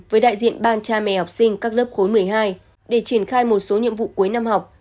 với đại diện ban cha mẹ học sinh các lớp khối một mươi hai để triển khai một số nhiệm vụ cuối năm học